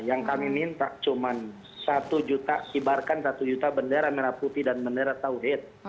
yang kami minta cuma satu juta kibarkan satu juta bendera merah putih dan bendera tauhid